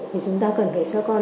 thì chúng ta cần phải cho con